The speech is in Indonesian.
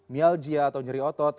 mialgia atau nyeri otot